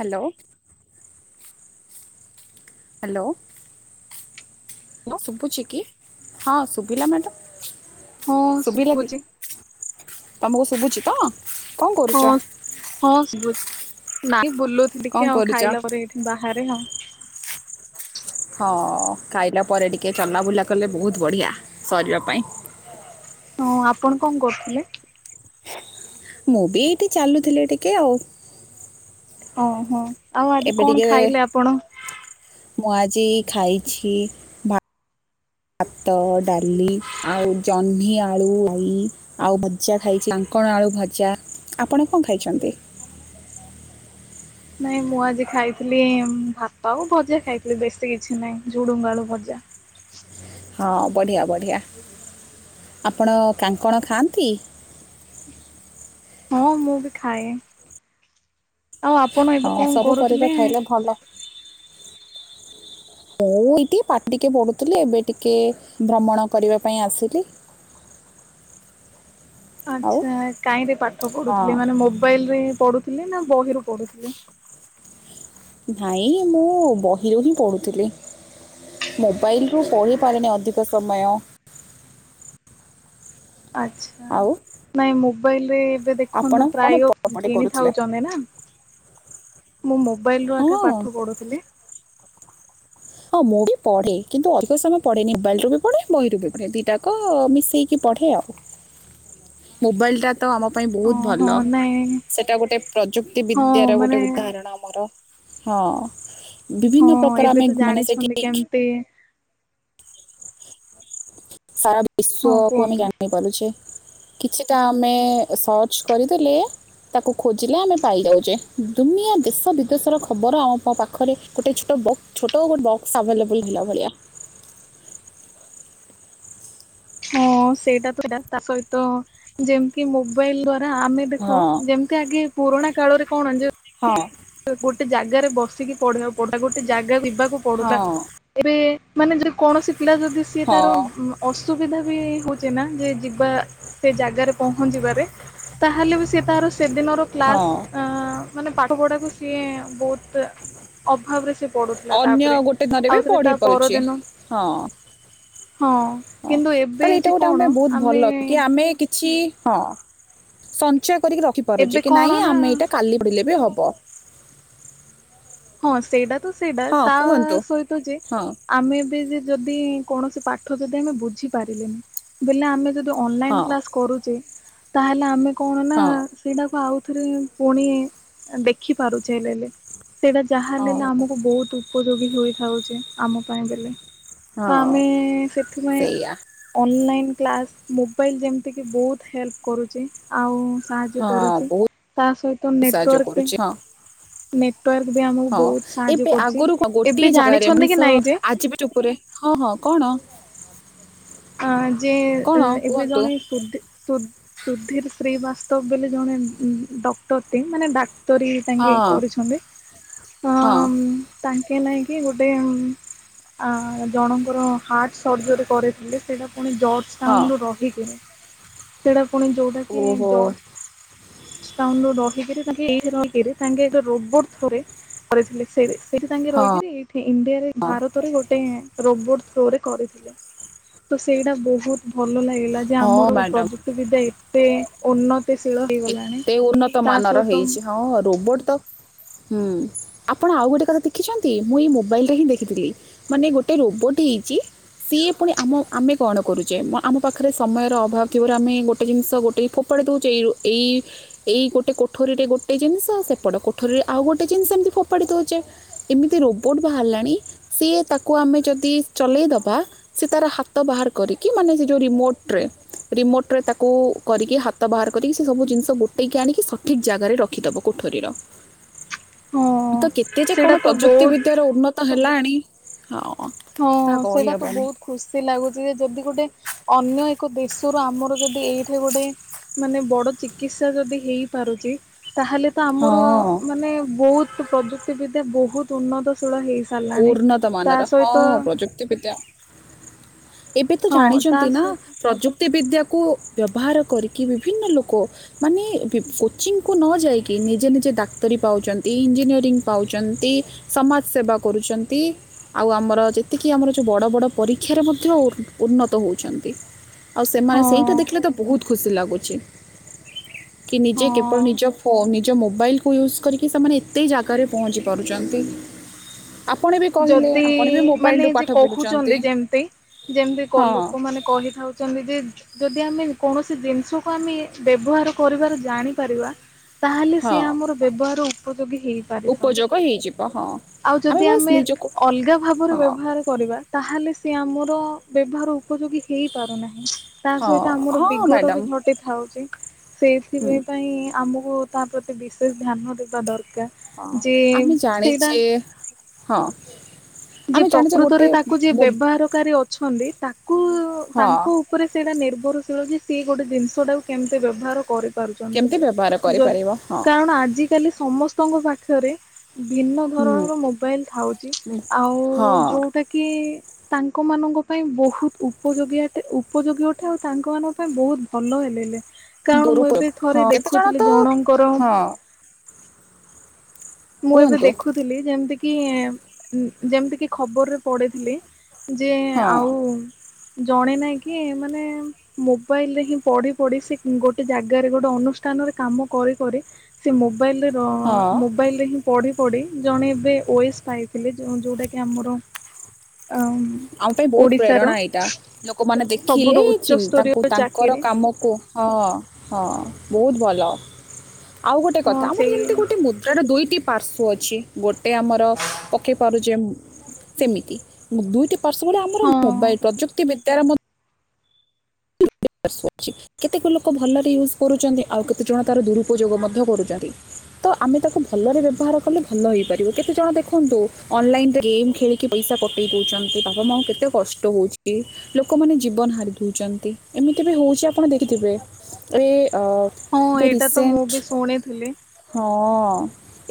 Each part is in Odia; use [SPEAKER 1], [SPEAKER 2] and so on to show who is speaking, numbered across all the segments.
[SPEAKER 1] ହାଲୋ ହାଲୋ
[SPEAKER 2] ହ୍ୟାଲୋ
[SPEAKER 1] ଶୁବୁଚି କି ହଁ ଶୁବିଲା ମ୍ୟାଡ଼ା
[SPEAKER 2] ହଁ
[SPEAKER 1] ଶୁବିଲା କି?
[SPEAKER 2] ଶୁଭୁଛି
[SPEAKER 1] ତମକୁ ଶୁବୁଚି ତ? କଣ
[SPEAKER 2] ହଁ
[SPEAKER 1] କରୁଛ?
[SPEAKER 2] ହଁ ଶବୁଚି ନାଇଁ
[SPEAKER 1] କଣ
[SPEAKER 2] ବୁଲଉଥିଲିକି ଆଉ
[SPEAKER 1] କରୁଛ?
[SPEAKER 2] ଖାଇଲା ପରେ ଏଇଠି। ବାହାରେ ହଁ
[SPEAKER 1] ହଁ ଖାଇଲା ପରେ ଟିକେ ଚଲାବୁଲା କଲେ ବହୁତ ବଢ଼ିଆ ଶରୀର ପାଇଁ।
[SPEAKER 2] ହଁ ଆପଣ କଣ କରୁଥିଲେ?
[SPEAKER 1] ମୁଁ ବି ଏଇଠି ଚାଲୁଥିଲି ଟିକେ ଆଉ।
[SPEAKER 2] ଓ ହଁ
[SPEAKER 1] ଏବେ ଟିକେ ମୁଁ ଆଜି ଖାଇଛି ଭା ଆତ, ଡାଲି ଆଉ ଜହ୍ନି ଆଳୁ ରାଇ। ଆଉ ଭଜା ଖାଇଛି କାଙ୍କଣ ଆଳୁ ଭଜା। ଆପଣ କଣ ଖାଇଛନ୍ତି?
[SPEAKER 2] ନାଇଁ ମୁଁ ଆଜି ଖାଇଥିଲି ଉଁ ଭାତ ଆଉ ଭଜା ଖାଇଥିଲି ବେଶୀ କିଛି ନାହିଁ ଝୁଡୁଙ୍ଗ ଆଳୁ ଭଜା।
[SPEAKER 1] ହଁ ବଢ଼ିଆ ବଢ଼ିଆ। ଆପଣ କାଙ୍କଣ ଖାଆନ୍ତି?
[SPEAKER 2] ହଁ ମୁଁ ବି ଖାଏ। ଆଉ ଆପଣ
[SPEAKER 1] ହଁ
[SPEAKER 2] ଏବେ କଣ
[SPEAKER 1] ସବୁ ପରିବା
[SPEAKER 2] କରୁଥିଲେ?
[SPEAKER 1] ଖାଇଲେ ଭଲ। ମୁଁ ଏଇଠି ପା ଟିକେ ପଢ଼ୁଥିଲି ଏବେ ଟିକେ ଭ୍ରମଣ କରିବା ପାଇଁ ଆସିଲି। ଆଉ
[SPEAKER 2] ଆଚ୍ଛା କାହିଁରେ ପାଠ
[SPEAKER 1] ହଁ
[SPEAKER 2] ପଢ଼ୁଥିଲେ ମାନେ ମୋବାଇଲରେ ପଢ଼ୁଥିଲେ ନା ବହିରୁ ପଢ଼ୁଥିଲେ?
[SPEAKER 1] ନାଇଁ ମୁଁ ବହିରୁ ହିଁ ପଢୁଥିଲି। ମୋବାଇଲ ରୁ ପଢ଼ିପାରେନି ଅଧିକ ସମୟ।
[SPEAKER 2] ଆଚ୍ଛା
[SPEAKER 1] ଆଉ
[SPEAKER 2] ନାଇଁ ମୋବାଇଲ ରେ। ଏବେ
[SPEAKER 1] ଆପଣ
[SPEAKER 2] ଦେଖନ୍ତୁ
[SPEAKER 1] କ'ଣ
[SPEAKER 2] ପ୍ରାୟ ଉଁ
[SPEAKER 1] ପଢ଼ାପଢ଼ି କରୁଥିଲେ
[SPEAKER 2] କିଣିଥାଉଛନ୍ତି ନା। ମୁଁ ମୋବାଇଲ ରୁ
[SPEAKER 1] ହଁ
[SPEAKER 2] ଆକା ପାଠ ପଢୁଥିଲି।
[SPEAKER 1] ହଁ ମୁଁ ବି ପଢେ କିନ୍ତୁ ଅଧିକ ସମୟ ପଢେନି। ମୋବାଇଲରୁ ବି ପଢେ। ବହିରୁ ବି ପଢ଼େ ଦିଟାକ ମିଶେଇକି ପଢେ ଆଉ। ମୋବାଇଲଟା। ତ ଆମ ପାଇଁ ବହୁତ
[SPEAKER 2] ଓହୋ
[SPEAKER 1] ଭଲ
[SPEAKER 2] ନାଇଁ
[SPEAKER 1] ସେଟା ଗୋଟେ ପ୍ରଯୁକ୍ତି
[SPEAKER 2] ହଁ
[SPEAKER 1] ବିଦ୍ୟାର ଗୋଟେ
[SPEAKER 2] ମାନେ
[SPEAKER 1] ଉଦାହରଣ ଆମର। ହଁ
[SPEAKER 2] ହଁ
[SPEAKER 1] ବିଭିନ୍ନ ପ୍ରକାର
[SPEAKER 2] ଏବେ
[SPEAKER 1] ଆମେ।
[SPEAKER 2] ତ
[SPEAKER 1] ମାନେ
[SPEAKER 2] ଜାଣିଛନ୍ତି
[SPEAKER 1] ସେଠି
[SPEAKER 2] କେମତି।
[SPEAKER 1] ସାରା
[SPEAKER 2] ହଁ
[SPEAKER 1] ବିଶ୍ଵକୁୁ ଆମେ
[SPEAKER 2] କୁହନ୍ତୁ
[SPEAKER 1] ଜାଣି ପାରୁଛେ। କିଛିଟା ଆମେ ସର୍ଚ୍ଚ କରିଦେଲେ। ତାକୁ ଖୋଜିଲେ ଆମେ ପାଇଯାଉଛେ ଦୁନିଆ ଦେଶ ବିଦେଶର ଖବର ଆମ ପା-ପାଖରେ ଗୋଟେ ଛୋଟ ବ ଛୋଟ ଗୋ ବକ୍ସ ଆଭେଲେବୁଲ୍ ହେଲା ଭଳିଆ।
[SPEAKER 2] ହଁ ସେଇଟା ତ ସେଟା ତା ସହିତ ଯେମିତି ମୋବାଇଲ ଦ୍ଵାରା ଆମେ
[SPEAKER 1] ହଁ
[SPEAKER 2] ଦେଖ ଯେମ ତେ ଆଗେ ପୁରୁଣା କାଳରେ କଣ ଯେ
[SPEAKER 1] ହଁ।
[SPEAKER 2] ଗୋଟେ ଜାଗାରେ ବସିକି ପଢ଼ିବାକୁ ପଡୁଥା ଗୋଟେ ଜାଗା ଯିବାକୁ
[SPEAKER 1] ହଁ
[SPEAKER 2] ପଡୁଥିଲା ଏବେ ମାନେ ଯଉ କୌଣସି ପିଲା ଯଦି ସିଏ
[SPEAKER 1] ହଁ
[SPEAKER 2] ତାର ଉଁ ଅସୁବିଧା ବି ହଉଚି ନା ଯେ ଯିବା। ସେ ଜାଗାରେ ପହଞ୍ଚିବାରେ ତାହେଲେ ବି ସେ ତାର ସେଦିନର
[SPEAKER 1] ହଁ
[SPEAKER 2] କ୍ଲାସ ଆଁ। ମାନେ ପାଠ ପଢାକୁ ସିଏ ବହୁତ ଅଭାବ ରେ ସେ ପଡୁଥିଲା
[SPEAKER 1] ଅନ୍ୟ
[SPEAKER 2] ତାପରେ
[SPEAKER 1] ଗୋଟେ ଘରେ ବି
[SPEAKER 2] ଆଉଥରେ
[SPEAKER 1] ପଢି
[SPEAKER 2] ତା
[SPEAKER 1] ପାରୁଚି
[SPEAKER 2] ପରଦିନ
[SPEAKER 1] ହଁ।
[SPEAKER 2] ହଁ
[SPEAKER 1] ହଁ
[SPEAKER 2] କିନ୍ତୁ ଏବେ
[SPEAKER 1] କାଳେ ଏଇଟା
[SPEAKER 2] ଯେ
[SPEAKER 1] ଗୋଟେ
[SPEAKER 2] କଣ
[SPEAKER 1] ଆମେ ବହୁତ
[SPEAKER 2] ଆମେ
[SPEAKER 1] ଭଲ କି ଆମେ କିଛି ହଁ। ସଞ୍ଚୟ କରିକି ରଖିପାରୁଚି
[SPEAKER 2] ଏବେ
[SPEAKER 1] କି ନାଇଁ
[SPEAKER 2] କଣ
[SPEAKER 1] ଆମେ
[SPEAKER 2] ନା
[SPEAKER 1] ଏଇଟା କାଲି ପଢ଼ିଲେ ବି ହବ।
[SPEAKER 2] ହଁ ସେଇଟା ତ ସେଇଟା
[SPEAKER 1] ହଁ
[SPEAKER 2] ତା
[SPEAKER 1] କୁହନ୍ତୁ
[SPEAKER 2] ସହିତ ଯେ।
[SPEAKER 1] ହଁ
[SPEAKER 2] ଆମେ ଏବେ ଯେ ଯଦି କୌଣସି ପାଠ ଯଦି ଆମେ ବୁଝିପାରିଲେନି ବୋଲେ ଆମେ ଯ
[SPEAKER 1] ହଁ
[SPEAKER 2] ଅନଲାଇନ୍ କ୍ଲାସ୍ କରୁଚେ ତାହେଲେ ଆମେ କଣ ନା।
[SPEAKER 1] ହଁ
[SPEAKER 2] ସେଇଟାକୁ ଆଉଥରେ ପୁଣି ଆଁ ଦେଖିପାରୁଚେ ହେଲେ ହେଲେ। ସେଇଟା ଯାହା
[SPEAKER 1] ହଁ
[SPEAKER 2] ହେଲେ ହେଲେ ଆମକୁ ବହୁତ ଉପଯୋଗୀ ହୋଇ ଥାଉଛି ଆମ ପାଇଁ ବେଲେ। ତ
[SPEAKER 1] ହଁ
[SPEAKER 2] ଆମେ ସେଥିପାଇଁ।
[SPEAKER 1] ସେଇଆ
[SPEAKER 2] ଅନଲାଇନ୍ କ୍ଲାସ୍ ମୋବାଇଲ ଯେମିତିକି ବହୁତ ହେଲ୍ପ କରୁଚି ଆଉ। ସାହାଯ୍ୟ
[SPEAKER 1] ହଁ
[SPEAKER 2] କରୁଚି।
[SPEAKER 1] ବହୁତ
[SPEAKER 2] ତା ସହିତ
[SPEAKER 1] ସାହାଯ୍ୟ
[SPEAKER 2] ନେଟୱାର୍କ
[SPEAKER 1] କରୁଛି ହଁ
[SPEAKER 2] ଟି ନେ ବି ଆମକୁ
[SPEAKER 1] ହଁ
[SPEAKER 2] ବହୁତ ସାହାଯ୍ୟ
[SPEAKER 1] ଏବେ
[SPEAKER 2] କରୁଚି। ଏବେ ଜାଣିଛନ୍ତି କି ନାଇଁ ଯେ?
[SPEAKER 1] ଆଜିି ବି ଚୁପ ରେ ହଁ ହଁ କଣ?
[SPEAKER 2] ଆଁ ଯେ
[SPEAKER 1] କଣ
[SPEAKER 2] ଏ-ଏବେ
[SPEAKER 1] କୁହନ୍ତୁ
[SPEAKER 2] ଜଣେ ସୁଦି ସୁ-ସୁଧୀର ଶ୍ରୀବାସ୍ତବ ବୋଲି ଜଣେ ଉଁ ଉଁ ଡକ୍ଟର ଟେ ମାନେ ଡା କ୍ତରି ତାଙ୍କେ
[SPEAKER 1] ହଁ
[SPEAKER 2] କରିଛନ୍ତି। ଆଁ
[SPEAKER 1] ହଁ
[SPEAKER 2] ଉଁ। ତାଙ୍କେ ନାଇକି ଗୋଟେ ଉଁ ଆଁ ଜଣଙ୍କର ହାଟ ସର୍ଜରୀ କରିଥିଲେ। ସେଟା ପୁଣି ଜର୍ଜ
[SPEAKER 1] ହଁ
[SPEAKER 2] ଟାଉନ ରୁ ରହିକି ସେଟା ପୁଣି ଯୋଉଟା କି
[SPEAKER 1] ଓହୋ
[SPEAKER 2] ଜର୍ଜ ଜ ଟାଉନ୍ ରୁ ରହିକିରି ତାଙ୍କେ ଏଇଠି ରହିକିରି ତାଙ୍କେ ଏକ ରୋବଟ ଥ୍ରୋ ରେ କରେଇ ଥିଲେ ସେଇରେସ ସେଇଠି ତାଙ୍କେ
[SPEAKER 1] ହଁ
[SPEAKER 2] ରହିକିରି ଏଇଠି ଇଣ୍ଡିଆରେ ଭାରତରେ ଗୋଟେ ରୋବୋଟ୍ ଥ୍ରୋରେ କରିଥିଲେ। ତ ସେଇଟା ବହୁତ୍ ଭଲ ଲାଗେ। ହେଲା ଯେ
[SPEAKER 1] ହଁ
[SPEAKER 2] ଆମର
[SPEAKER 1] ମ୍ୟାଡ଼ାମ୍
[SPEAKER 2] ପ୍ରଯୁକ୍ତି ବିଦ୍ୟା ଏତେ ଉନ୍ନତିଶୀ
[SPEAKER 1] ଏତେ ଉନ୍ନତ ମାନର ହେଇଚି, ହଁ ରୋବୋଟ୍ ତ ହୁଁ। ଆପଣ ଆଉ ଗୋଟେ କଥା ଦେଖିଛନ୍ତି, ମୁଁ ଏଇ ମୋବାଇଲରେ ହିଁ ଦେଖିଥିଲି। ମାନେ ଗୋଟେ ରୋବୋଟ୍ ହେଇଚି ସିଏ ପୁଣି ଆମ ଆମେ କଣ କରୁଚେ? ଆମ ପାଖରେ ସମୟର ଅଭାବ ଥିବାରୁ ଆମେ ଗୋଟେ ଜିନିଷ ଗୋଟ ଫୋ ପାଡ଼ି ଦଉଚେ। ଏଇ ଏଇ ଗୋଟେ କୋଠରୀରେ ଗୋଟେ ଜିନିଷ, ସେପଟ କୋଠରୀରେ ଆଉ ଗୋଟେ ଜିନିଷ ଏମିତି ଫୋପାଡ଼ି ଦଉଚେ। ଏମିତି ରୋବୋଟ୍ ବାହାରିଲାଣି ସିଏ ତାକୁ ଆମେ ଯଦି ଚଲେଇଦବା ସେ ତାର ହାତ ବାହାର କରିକି ମାନେ ସେ ଯଉ ରିମୋଟ୍ ରେ ରିମୋଟ ରେ ତାକୁ କରିକି ହାତ ବାହାର କରିକି ସେ ସବୁ ଜିନିଷ ଗୋଟେଇକି ଆଣିକି ସଠିକ୍ ଜାଗାରେ ରଖିଦବ କୋଠରୀର।
[SPEAKER 2] ହଁ
[SPEAKER 1] ତ କେତେ ଯେ
[SPEAKER 2] ସେଇଟା
[SPEAKER 1] କଣ
[SPEAKER 2] ତ
[SPEAKER 1] ପ୍ରଯୁକ୍ତି
[SPEAKER 2] ବହୁତ
[SPEAKER 1] ବିଦ୍ୟା ର ଉନ୍ନତ ହେଲାଣି [unintelligible]
[SPEAKER 2] ହଁ ସେଇଟା ତ
[SPEAKER 1] କହିହେବନି
[SPEAKER 2] ବହୁତ୍ ଖୁସି ଲାଗୁଚି ଯେ ଯଦି ଗୋଟେ ଅନ୍ୟ ଏକ ଦେଶରୁ ଆମର ଯଦି ଏଇଠେ ଗୋଟେ ମାନେ ବଡ ଚିକିତ୍ସା ଯଦି ହେଇ ପାରୁଚି ତାହେଲେ ତ ଆମର
[SPEAKER 1] ହଁ
[SPEAKER 2] ମାନେ ବହୁତ ପ୍ରଯୁକ୍ତିବିଦ୍ୟା ବହୁତ ଉନ୍ନତ ସେ ତୁଳ ହେଇ ସାଇଲାଣି। ତା
[SPEAKER 1] ଉନ୍ନତମାନର
[SPEAKER 2] ସହି
[SPEAKER 1] ହଁ [unintelligible] ଏବେ ତ
[SPEAKER 2] ହଁ ତା
[SPEAKER 1] ଜାଣିଚନ୍ତି ନା
[SPEAKER 2] ସହିତ
[SPEAKER 1] ପ୍ରଯୁକ୍ତି ବିଦ୍ୟାକୁ ବ୍ୟବହାର କରିକି ବିଭିନ୍ନ ଲୋକ ମାନେ ପି କୋଚିଂକୁ ନ ଯାଇକି ନିଜେ ନିଜେ ଡାକ୍ତରୀ ପାଉଚନ୍ତି ଇଞ୍ଜିନିୟରିଂ ପାଉଚନ୍ତି। ସମାଜ ସେବା କରୁଚନ୍ତି। ଆଉ ଆମର ଯେତିକି ଆମର ଯଉ ବଡ଼ ବଡ଼ ପରୀକ୍ଷାରେ ମଧ୍ୟ ଉନ୍ ଉନ୍ନତ ହଉଚନ୍ତି। ଆଉ ସେମାନେ
[SPEAKER 2] ହଁ
[SPEAKER 1] ସେଇଟା ଦେଖିଲେ ତ ବହୁତ ଖୁସି ଲାଗୁଚି। କି ନିଜେ କେବଳ
[SPEAKER 2] ହଁ।
[SPEAKER 1] ନିଜ ଫୋନ୍ ନିଜ ମୋବାଇଲକୁ ୟୁଜ୍ କରିକି ସେମାନେ ଏତେ ଜାଗାରେ ପହଞ୍ଚି ପାରୁଚନ୍ତି।
[SPEAKER 2] ଯଦି
[SPEAKER 1] ବି
[SPEAKER 2] ମାନେ
[SPEAKER 1] ମୋବାଇଲରୁ
[SPEAKER 2] ଯେ
[SPEAKER 1] ପାଠ ପଢ଼ୁଛନ୍ତି
[SPEAKER 2] କହୁଚନ୍ତି ଯେମତି ଯେମତି କ
[SPEAKER 1] ହଁ
[SPEAKER 2] ଲୋକ ମାନେ କହିଥାଉଚନ୍ତି ଯେ ଯଦି ଆମେ କୌଣସି ଜିନିଷକୁ ଆମେ ବ୍ୟବହାର କରିବାର ଜାଣିପାରିବା ତାହେଲେ ସିଏ
[SPEAKER 1] ହଁ
[SPEAKER 2] ଆମର ବ୍ୟବହାର ଉପଯୋଗୀ ହେଇପାରିଥାଉଚି।
[SPEAKER 1] ଉପଯୋଗ ହେଇଯିବ ହଁ
[SPEAKER 2] ଆଉ ଯଦି
[SPEAKER 1] ବାସ୍
[SPEAKER 2] ଆମେ
[SPEAKER 1] ନିଜକୁ
[SPEAKER 2] ଅଲଗା ଭାବରେ
[SPEAKER 1] ହଁ
[SPEAKER 2] ବ୍ୟବହାର କରିବା, ତାହେଲେ ସେ ଆମର ବ୍ୟବହାର ଉପଯୋଗୀ ହେଇପାରୁନାହିଁ। ତା
[SPEAKER 1] ହଁ
[SPEAKER 2] ସହିତ ଆମର
[SPEAKER 1] ହଁ
[SPEAKER 2] ବିଘଟ ବି
[SPEAKER 1] ମ୍ୟାଡ଼ାମ୍
[SPEAKER 2] ଘଟି ଥାଉଚି। ସେଇଥି
[SPEAKER 1] ହୁଁ
[SPEAKER 2] ପାଇଁ ପାଇଁ ଆମକୁ ତା ପ୍ରତି ବିଶେଷ ଧ୍ୟାନ ଦେବା ଦର
[SPEAKER 1] ହଁ। ଆମେ ଜାଣିଚେ ହଁ।
[SPEAKER 2] ଯେ
[SPEAKER 1] ଆମେ ଜାଣିଛେ ଗୋଟେ
[SPEAKER 2] ପ୍ରକୃତରେ ତାକୁ ଯିଏ
[SPEAKER 1] ବୋ-
[SPEAKER 2] ବ୍ୟବହାରକାରୀ ଅଛନ୍ତି ତାକୁ
[SPEAKER 1] ହଁ
[SPEAKER 2] ତାଙ୍କୁ ଉପରେ ସେଇଟା ନିର୍ଭରଶୀଳ ଯେ ସିଏ ଗୋଟେ ଜିନିଷ ଟାକୁ କେମିତି ବ୍ୟବହାର କରି ପାରୁଚନ୍ତି।
[SPEAKER 1] କେମିତି ବ୍ୟବହାର
[SPEAKER 2] ଯ
[SPEAKER 1] କରିପାରିବ ହଁ
[SPEAKER 2] କାରଣ ଆଜି କାଲି ସମସ୍ତଙ୍କ ପାଖରେ ଭିନ୍ନ
[SPEAKER 1] ହୁଁ
[SPEAKER 2] ଧରଣର ମୋବାଇଲ୍ ଥାଉଚି। ଆଉ
[SPEAKER 1] ହଁ
[SPEAKER 2] ଯୋଉଟା କି ତାଙ୍କ ମାନଙ୍କ ପାଇଁ ବହୁତ ଉପଯୋଗୀ ଅଟେ ଉପଯୋଗୀ ଅଟେ। ଆଉ ତାଙ୍କ ମାନଙ୍କ ପାଇଁ ବହୁତ ଭଲ ହେଲେଲେ। କାରଣ ମୁଁ
[SPEAKER 1] ଦୁରୁପଯୋଗ
[SPEAKER 2] ଏବେ ଥରେ
[SPEAKER 1] ହଁ କେତେଜଣ
[SPEAKER 2] ଦେଖୁଥିଲି
[SPEAKER 1] ତ
[SPEAKER 2] ଜଣଙ୍କର
[SPEAKER 1] ହଁ
[SPEAKER 2] ମୁଁ ଏବେ
[SPEAKER 1] କୁହନ୍ତୁ
[SPEAKER 2] ଦେଖୁଥିଲି ଯେମିତି କିି ଯେମିତି କି ଖବରରେ ପଢିଥିଲି ଯେ
[SPEAKER 1] ହଁ
[SPEAKER 2] ଆଉ ଜଣେ ନାଇଁ କି ମାନେ ମୋବାଇଲ ରେ ହିଁ ପଢି ପଢି ସେ ଗୋଟେ ଜାଗାରେ ଗୋଟେ ଅନୁଷ୍ଠାନରେ କାମ କରି କରି ସେ ମୋବାଇଲି ର
[SPEAKER 1] ହଁ
[SPEAKER 2] ମୋ ମୋବାଇଲରେ ହିଁ ପଢି ପଢି ଜଣେ ଏବେ ଓଏସ୍ ପାଇଥିଲେ। ଯୋଉଟା କି ଆମର [unintelligible]
[SPEAKER 1] ଆମ ପାଇଁ ବହୁତ
[SPEAKER 2] ଓଡିଶାର
[SPEAKER 1] ପ୍ରେରଣା ଏଇଟା। ଲୋକମାନେ ଦେଖିଲେ
[SPEAKER 2] ସବୁଠୁ
[SPEAKER 1] ଚୀନ୍
[SPEAKER 2] ଉଚ୍ଚସ୍ତରୀୟ
[SPEAKER 1] ତାଙ୍କୁ ତାଙ୍କର
[SPEAKER 2] ଚାକିରି
[SPEAKER 1] କାମକୁ ହଁ ହଁ ବହୁତ ଭଲ। ଆଉ ଗୋଟେ
[SPEAKER 2] ହଁ
[SPEAKER 1] କଥା ଆମର
[SPEAKER 2] ସେଇ
[SPEAKER 1] ଯେମିତି ଗୋଟେ ମୁଦ୍ରାର ଦୁଇଟି ପାର୍ଶ୍ୱ ଅଛି ଗୋଟେ ଆମର ପକାଇ ପାରୁଛେ ସେମିତି ମୁ ଦୁଇଟି ପାର୍ଶ୍ୟରେ ଆମର
[SPEAKER 2] ହଁ
[SPEAKER 1] ମୋବାଇଲ ପ୍ରଯୁକ୍ତି ବିଦ୍ୟାର [unintelligible] କେତେକ ଲୋକ ଭଲରେ ୟୁଜ୍ କରୁଛନ୍ତି ଆଉ କେତେଜଣ ତାର ଦୁରୁପଯୋଗ ମଧ୍ୟ କରୁଛନ୍ତି। ତ ଆମେ ତାକୁ ଭଲରେ ବ୍ୟବହାର କଲେ ଭଲ ହେଇପାରିବ କେତେ ଜଣ ଦେଖନ୍ତୁ ଅନଲାଇନ୍ ରେ ଗେମ୍ ଖେଳିକି କି ପଇସା କଟେଇ ଦଉଛନ୍ତି ବାପା ମାଆଙ୍କୁ କେତେ କଷ୍ଟ ହଉଛି ଲୋକମାନେ ଜୀବନ ହାରି ଦଉଛନ୍ତି। ଏମିତି ବି ହଉଛି ଆପଣ ଦେଖିଥିବେ ଏ ଅ
[SPEAKER 2] ହଁ
[SPEAKER 1] ଏବେ
[SPEAKER 2] ଏଇଟା ତ ମୁଁ
[SPEAKER 1] ରିସେଣ୍ଟ
[SPEAKER 2] ବି ଶୁଣିଥିଲି।
[SPEAKER 1] ହଁ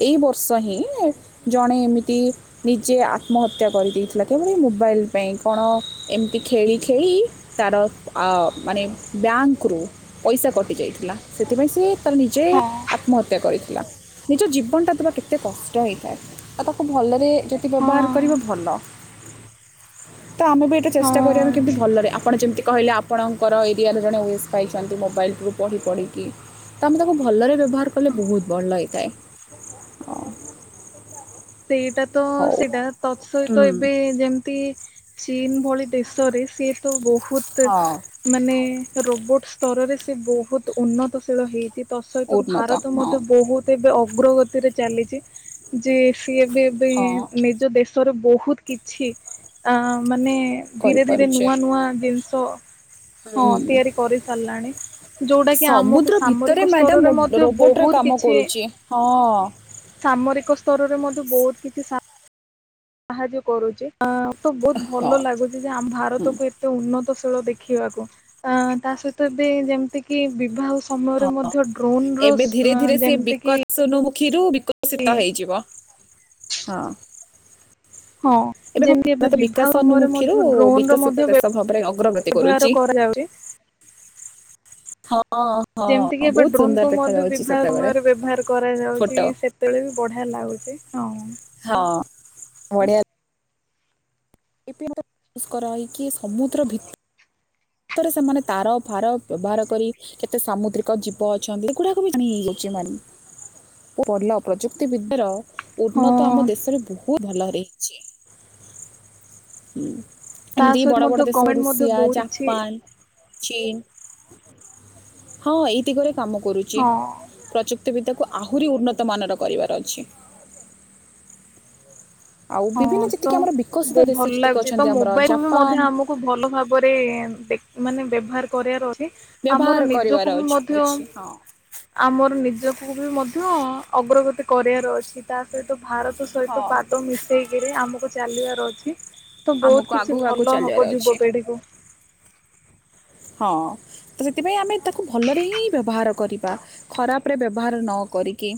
[SPEAKER 1] ଏଇ ବର୍ଷ ହିଁ ଜଣେ ଏମିତି ନିଜେ ଆତ୍ମହତ୍ୟା କରିଦେଇଥିଲା କେବଳ ଏଇ ମୋବାଇଲ ପାଇଁ କଣ ଏମିତି ଖେଳି ଖେଳି ତାର ଓ ମାନେ ବ୍ୟାଙ୍କରୁ ପଇସା କଟି ଯାଇଥିଲା ସେଥିପାଇଁ ସିଏ ତାର ନିଜେ
[SPEAKER 2] ହଁ
[SPEAKER 1] ଆତ୍ମହତ୍ୟା କରିଥିଲା ନିଜ ଜୀବନଟା ଦେବା କେତେ କଷ୍ଟ ହେଇଥାଏ। ଆଉ ତାକୁ ଭଲରେ ଯଦି
[SPEAKER 2] ହଁ
[SPEAKER 1] ବ୍ୟବହାର କରିବ ଭଲ। ତ ଆମେ ବି ଏଇଟା ଚେଷ୍ଟା କରିବା ବି କେମିତି
[SPEAKER 2] ହଁ
[SPEAKER 1] ଭଲରେ ଆପଣ ଯେମିତି କହିଲେ ଆପଣଙ୍କର ଏରିଆରେ ଜଣେ ଓଏସ୍ ପାଇଛନ୍ତି ମୋବାଇଲରୁ ପଢ଼ି ପଢ଼ିକି। ତ ଆମେ ତାକୁ ଭଲରେ ବ୍ୟବହାର କଲେ ବହୁତ ଭଲ ହେଇଥାଏ। ହଁ
[SPEAKER 2] ସେଇଟା ତ
[SPEAKER 1] ହଉ
[SPEAKER 2] ସେଇଟା ତତ୍ ସହିତ
[SPEAKER 1] ହୁଁ
[SPEAKER 2] ଏବେ ଯେମିତି ଚୀନ ଭଳି ଦେଶରେ ସିଏ ତ ବହୁତ
[SPEAKER 1] ହଁ
[SPEAKER 2] ମାନେ ରୋବୋଟ ସ୍ତରରେ ସେ ବହୁତ ଉନ୍ନତଶୀଳ ହେଇଛି। ତ ସହିତ
[SPEAKER 1] ଉନ୍ନତ
[SPEAKER 2] ଭାରତ
[SPEAKER 1] ହଁ
[SPEAKER 2] ମଧ୍ୟ ବହୁତ ଏବେ ଅଗ୍ରଗତିରେ ଚାଲିଛି ଯେ ସିଏ ଏବେ
[SPEAKER 1] ହଁ
[SPEAKER 2] ନିଜ ଦେଶରେ ବହୁତ କିଛି ଅଁ ମାନେ ଧୀରେ ଧୀରେ
[SPEAKER 1] କରିପାରୁଛେ
[SPEAKER 2] ନୂଆ ନୂଆ ଜିନିଷ ହଁ
[SPEAKER 1] ହୁଁ
[SPEAKER 2] ତିଆରି କରି ସାରିଲାଣି। ଯୋଉଟା କି ଆମକୁ
[SPEAKER 1] ସମୁଦ୍ର ଭିତରେ
[SPEAKER 2] ସାମରିକ ସ୍ତରରେ
[SPEAKER 1] ମ୍ୟାଡ଼ାମ୍
[SPEAKER 2] ମଧ୍ୟ
[SPEAKER 1] ରୋବୋଟ୍ରେ
[SPEAKER 2] ବହୁତ
[SPEAKER 1] କାମ
[SPEAKER 2] କିଛି
[SPEAKER 1] କରୁଛି ହଁ
[SPEAKER 2] ସାମରିକ ସ୍ତରରେ ମଧ୍ୟ ବହୁତ କିଛି ସା ସାହାଯ୍ୟ କରୁଛି ଆଁ ତ ବହୁତ
[SPEAKER 1] ହଁ
[SPEAKER 2] ଭଲ ଲାଗୁଛି ଯେ ଆମ
[SPEAKER 1] ହୁଁ
[SPEAKER 2] ଭାରତକୁ ଏତେ ଉନ୍ନତଶୀଳ ଦେଖିବାକୁ ଅ ତା ସହିତ ଏବେ ଯେମିତି କି ବିବାହ ସମୟରେ ମଧ୍ୟ, ଡ୍ରୋନ ର ଯେମିତି କି,
[SPEAKER 1] ସ୍ୱର୍ଣ୍ଣ ମୁଖୀରୁ ବିକଶିତ ହେଇଯିବ। ହଁ
[SPEAKER 2] ହଁ
[SPEAKER 1] ଏବେ
[SPEAKER 2] ଯେମିତି
[SPEAKER 1] ଭାରତ
[SPEAKER 2] ବିବାହ
[SPEAKER 1] ବିକାଶ
[SPEAKER 2] ସମୟରେ
[SPEAKER 1] ଅନୁମୁଖୀରୁ,
[SPEAKER 2] ମଧ୍ୟ ଡ୍ରୋନ ର
[SPEAKER 1] ବିକଶିତ
[SPEAKER 2] ମଧ୍ୟ
[SPEAKER 1] ଦେଶ ଭାବରେ ଅଗ୍ରଗତି
[SPEAKER 2] ବ୍ୟବହାର
[SPEAKER 1] କରୁଚି।
[SPEAKER 2] କରାଯାଉଛି
[SPEAKER 1] ହଁ। ହଁ
[SPEAKER 2] ଯେମିତିକି, ଏବେ
[SPEAKER 1] ବହୁତ
[SPEAKER 2] ଡ୍ରୋନ୍
[SPEAKER 1] ସୁନ୍ଦର
[SPEAKER 2] କୁ ମଧ୍ୟ
[SPEAKER 1] ଦେଖାଯାଉଛି
[SPEAKER 2] ବିବାହ
[SPEAKER 1] ସେତେବେଳେ
[SPEAKER 2] ସମୟରେ ବ୍ୟବହାର କରାଯାଉଛି।
[SPEAKER 1] ଫଟୋ
[SPEAKER 2] ସେତେବେଳେ ବି ବଢିଆ ଲାଗୁଛି, ହଁ।
[SPEAKER 1] ହଁ। ବଢିଆ [unintelligible] ଏ କରାଇକି, ସମୁଦ୍ର ଭିତରେ ଥରେ ସେମାନେ ତାର, ଫାର, ବ୍ୟବହାର କରି କେତେ ସାମୁଦ୍ରିକ ଜୀବ ଅଛନ୍ତି। ଏଗୁଡାକ ବି ହେଇଯାଉଚି। ମାନେ [unintelligible] ପ୍ରଲ ପ୍ରଯୁକ୍ତି ବିଦ୍ୟାର
[SPEAKER 2] ହଁ
[SPEAKER 1] ଉନ୍ନତ ଆମ ଦେଶରେ, ବହୁତ ଭଲ ରହିଚି, ଉଁ।
[SPEAKER 2] ତା
[SPEAKER 1] ଏମିତି କି
[SPEAKER 2] ସହିତ
[SPEAKER 1] ବଡ ବଡ
[SPEAKER 2] ମଧ୍ୟ
[SPEAKER 1] ଦେଶ
[SPEAKER 2] ଗଭର୍ଣମେଣ୍ଟ ମଧ୍ୟ
[SPEAKER 1] ରୁଷିଆ,
[SPEAKER 2] ବହୁତ
[SPEAKER 1] ଜା
[SPEAKER 2] କିଛି
[SPEAKER 1] ଚୀନ୍ ହଁ, ଏଇ ଦିଗରେ କାମ କରୁଚି।
[SPEAKER 2] ହଁ
[SPEAKER 1] ପ୍ରଯୁକ୍ତ ବିଦ୍ୟାକୁ, ଆହୁରି ଉନ୍ନତ ମାନର କରିବାର ଅଛି। ଆଉ
[SPEAKER 2] ହଁ।
[SPEAKER 1] ବିଭିନ୍ନ
[SPEAKER 2] ତ
[SPEAKER 1] ଯେତିକି ଆମର ବିକଶିତ
[SPEAKER 2] ବହୁ
[SPEAKER 1] ଦେଶ
[SPEAKER 2] ଭଲ
[SPEAKER 1] ଯେତିକି
[SPEAKER 2] ଲାଗୁଛି। ତ
[SPEAKER 1] ଅଛନ୍ତି ଆମର
[SPEAKER 2] ମୋବାଇଲ
[SPEAKER 1] ଜାପାନ
[SPEAKER 2] ମଧ୍ୟ ଆମକୁ କୁ ଭଲ ଭାବରେ ମାନେ, ବ୍ୟବହାର କରିବାର ଅଛି।
[SPEAKER 1] ବ୍ୟବହାର
[SPEAKER 2] ଆମର
[SPEAKER 1] କରିବାର
[SPEAKER 2] ନିଜକୁ ବି
[SPEAKER 1] ଅଛି
[SPEAKER 2] ମଧ୍ୟ
[SPEAKER 1] ଅଛି ହଁ
[SPEAKER 2] ଆମର, ନିଜକୁ ବି ମଧ୍ୟ ଅଗ୍ରଗତି କରିବାର ଅଛି। ତା ସହିତ, ଭାରତ ସହିତ
[SPEAKER 1] ହଁ
[SPEAKER 2] ପାଦ ମିଶେଇକିରି ଆମକୁ ଚାଲିବାର ଅଛି। ତ,
[SPEAKER 1] ଆମକୁ
[SPEAKER 2] ବହୁତ କିଛି
[SPEAKER 1] ଆଗକୁ ଆଗକୁ
[SPEAKER 2] ଭଲ
[SPEAKER 1] ଚାଲିବାର
[SPEAKER 2] ହବ
[SPEAKER 1] ଅଛି
[SPEAKER 2] ଯୁବପିଢିକୁ।
[SPEAKER 1] ହଁ। ତ ସେଥିପାଇଁ ଆମେ ତାକୁ ଭଲରେ ହିଁ, ବ୍ୟବହାର କରିବା। ଖରାପ, ଉପରେ ବ୍ୟବହାର ନ କରିକି।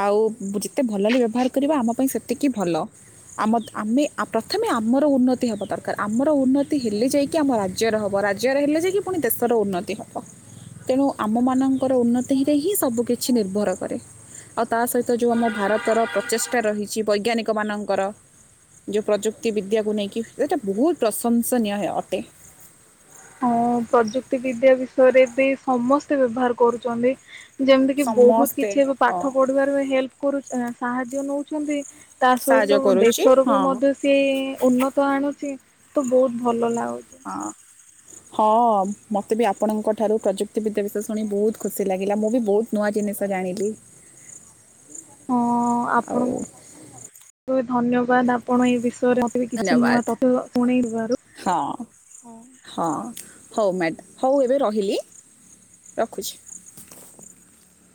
[SPEAKER 1] ଆଉ, ଯେତେ ଭଲରେ ବ୍ୟବହାର କରିବା ଆମ ପାଇଁ ସେତିକି ଭଲ। ଆମ, ଆମେ ପ୍ରଥମେ ଆମର ଉନ୍ନତି ହେବା ଦରକାର। ଆମର ଉନ୍ନତି ହେଲେ ଯାଇକି, ଆମ ରାଜ୍ୟର ହେବ। ରାଜ୍ୟ ର ହେଲେ ଯାଇକି, ପୁଣି ଦେଶର ଉନ୍ନତି ହବ। ତେଣୁ, ଆମ ମାନଙ୍କର ଉନ୍ନତିରେ ହିଁ ସବୁ କିିଛି ନିର୍ଭର କରେ। ଆଉ, ତା ସହିତ ଯୋଉ ଆମ ଭାରତର ପ୍ରଚେଷ୍ଟା ରହିଛି, ବୈଜ୍ଞାନିକ ମାନଙ୍କର। ଯେଉଁ ପ୍ରଯୁକ୍ତି ବିଦ୍ୟାକୁ ନେଇକି। ସେଇଟା ବହୁତ ପ୍ରଶଂସାନୀୟ ଅଟେ।
[SPEAKER 2] ହଁ, ପ୍ରଯୁକ୍ତି ବିଦ୍ୟା ବିଷୟରେ ବି ସମସ୍ତେ ବ୍ୟବହାର କରୁଛନ୍ତି। ଯେମିତି କି ବହୁତ
[SPEAKER 1] ସମସ୍ତେ
[SPEAKER 2] କିଛି ଏବେ
[SPEAKER 1] ହଁ
[SPEAKER 2] ପାଠ ପଢିବାରେ ହେଲ୍ପ କରୁ, ସାହାଯ୍ୟ ନେଉଛନ୍ତି। ତା ସହିତ,
[SPEAKER 1] ସାହାଯ୍ୟ କରୁଛି
[SPEAKER 2] ଦେଶରୁ ବି
[SPEAKER 1] ହଁ
[SPEAKER 2] ମଧ୍ୟ ସେ ଉନ୍ନତ ଆଣୁଚି। ତ ବହୁତ ଭଲ ଲାଗୁଚି।
[SPEAKER 1] ହଁ। ହଁ, ମୋତେ ବି ଆପଣଙ୍କ ଠାରୁ ପ୍ରଯୁକ୍ତିିବଦ୍ୟା ବିଷୟ ଶୁଣି, ବହୁତ ଖୁସି ଲାଗିଲା। ମୁଁ ବି ବହୁତ ନୂଆ ଜିନିଷ ଜାଣିଲି।
[SPEAKER 2] ହଁ,
[SPEAKER 1] ଆଉ
[SPEAKER 2] ଆପଣ ଧନ୍ୟବାଦ ଆପଣ ଏ ବିଷୟରେ ବି କିଛି ନୂଆ
[SPEAKER 1] ଧନ୍ୟବାଦ।
[SPEAKER 2] ତଥ୍ୟ ଶୁଣେଇବାରୁ।
[SPEAKER 1] ହଁ। ହଁ ହଉ ମ୍ୟାଡାମ ହଉ ଏବେ ରହିଲି। ରଖୁଛି।